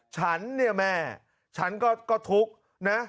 ฉันเนี่ยแม่ฉันก็ทุกข์นะ